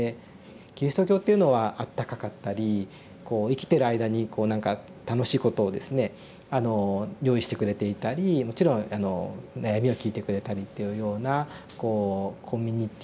キリスト教っていうのはあったかかったりこう生きてる間にこう何か楽しいことをですね用意してくれていたりもちろん悩みを聞いてくれたりというようなこうコミュニティー